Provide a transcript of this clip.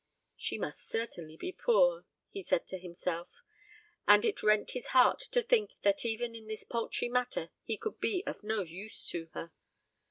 "She must certainly be poor," he said to himself; and it rent his heart to think that even in this paltry matter he could be of no use to her.